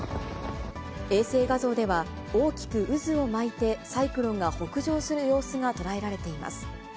衛星画像では、大きく渦を巻いてサイクロンが北上する様子が捉えられています。